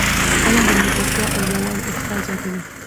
علم د ملګرتیا او یووالي احساس زیاتوي.